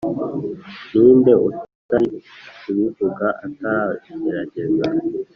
ninde utari kubivuga ataragerageza.